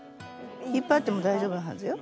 引っ張っても大丈夫なはずよ。